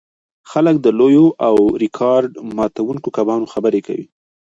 خلک د لویو او ریکارډ ماتوونکو کبانو خبرې کوي